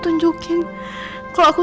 tante sudah menyesal sama putri